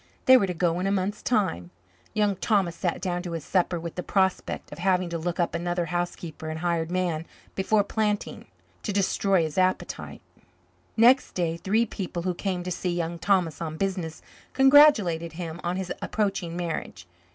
They were to go in a month's time. Young Thomas sat down to his supper with the prospect of having to look up another housekeeper and hired man before planting to destroy his appetite. Next day, three people who came to see Young Thomas on business congratulated him on his approaching marriage.